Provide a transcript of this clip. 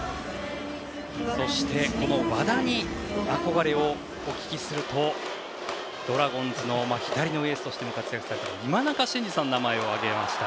そして和田に憧れをお聞きするとドラゴンズの左のエースとして活躍された今中慎二さんの名前を挙げました。